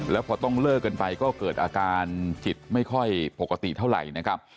แล้วพอต้องเลิกกันไปก็เกิดอาการจิตไม่ค่อยปกติเท่าไหร่นะครับ